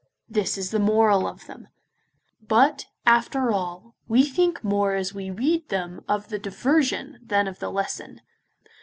This is the moral of them. But, after all, we think more as we read them of the diversion than of the lesson.